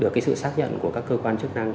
được cái sự xác nhận của các cơ quan chức năng